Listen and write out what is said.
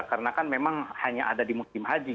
karena kan memang hanya ada di muktim haji ya